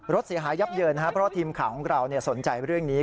รถเสียหายยับเยินนะครับเพราะว่าทีมข่าวของเราสนใจเรื่องนี้